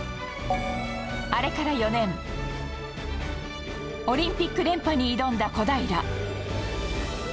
あれから４年オリンピック連覇に挑んだ小平。